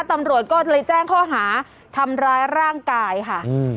ตำรวจก็เลยแจ้งข้อหาทำร้ายร่างกายค่ะอืม